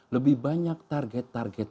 lebih banyak target target